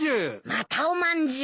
またおまんじゅう？